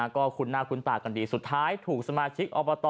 ก็คุ้นหน้าคุ้นตากันดีสุดท้ายถูกสมาชิกอบต